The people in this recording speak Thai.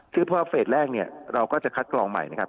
คือพอเฟสแรกเนี่ยเราก็จะคัดกรองใหม่นะครับ